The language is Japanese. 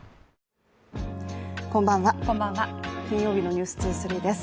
こんばんは、金曜日の「ｎｅｗｓ２３」です。